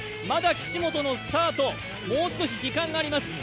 まだ岸本のスタート、もう少し時間があります。